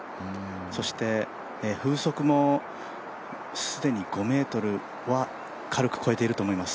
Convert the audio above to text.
そして風速も既に５メートルは軽く超えていると思います。